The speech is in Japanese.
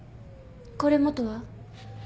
「これも」とは？